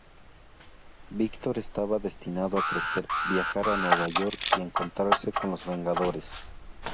Víctor estaba destinado a crecer, viajar a Nueva York y encontrarse con los Vengadores.